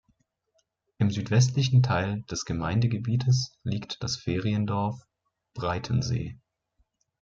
Im südwestlichen Teil des Gemeindegebietes liegt das "Feriendorf Breitensee".